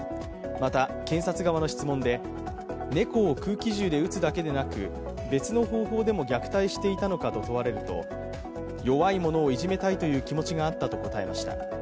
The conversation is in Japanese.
また検察側の質問で猫を空気銃で撃つだけでなく別の方法でも虐待していたのかと問われると弱いものをいじめたいという気持ちがあったと答えました。